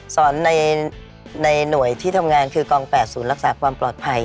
ในหน่วยที่ทำงานคือกอง๘ศูนย์รักษาความปลอดภัย